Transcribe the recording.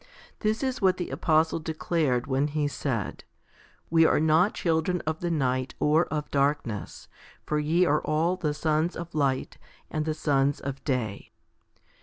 This is what the apostle de clared when he said, We are not children of the night or of darkness, for ye are all the sons of light and the sons of day.